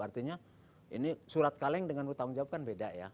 artinya ini surat kaleng dengan bertanggung jawab kan beda ya